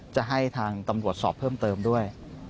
จะให้ทางตำรวจสอบเพิ่มเติมด้วย